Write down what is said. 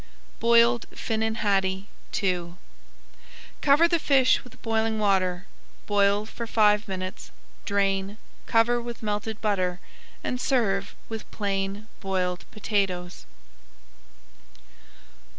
BOILED FINNAN HADDIE II Cover the fish with boiling water, boil for five minutes, drain, cover with melted butter, and serve with plain boiled potatoes.